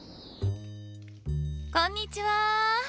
こんにちは！